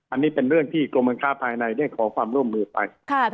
อันนี้เป็นเรื่องที่กรมการค้าภายในได้ขอความร่วมมือไป